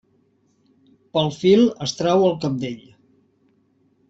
Pel fil es trau el cabdell.